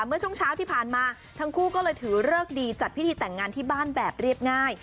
เมื่อช่วงเช้าที่ผ่านมาทั้งคู่ก็เลยถือเลิกดีจัดพิธีแต่งงานที่บ้านแบบเรียบง่าย